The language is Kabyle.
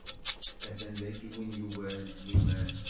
A-t-an dagi win yugaren Sliman.